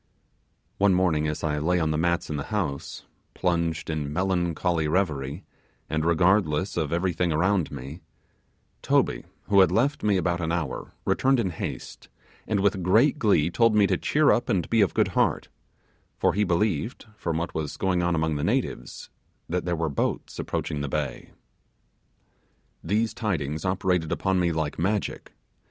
One morning as I lay on the mats in the house, plunged in melancholy reverie, and regardless of everything around me, Toby, who had left me about an hour, returned in haste, and with great glee told me to cheer up and be of good heart; for he believed, from what was going on among the natives, that there were boats approaching the bay. These tidings operated upon me like magic.